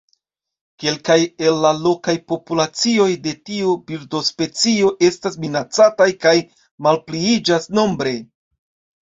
Kelkaj el la lokaj populacioj de tiu birdospecio estas minacataj kaj malpliiĝas nombre.